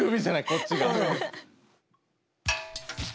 こっちが。